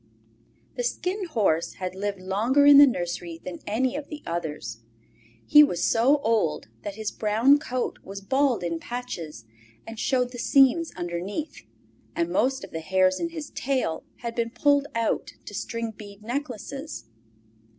The Skin Horse had lived longer in the nursery than any of the others. He was so old that his brown coat was bald in patches and showed the seams underneath, and most of the hairs in his tail had been pulled out to string bead necklaces.